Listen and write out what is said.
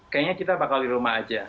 kayaknya kita bakal di rumah aja